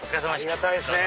ありがたいっすね！